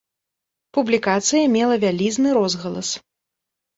Публікацыя мела вялізны розгалас.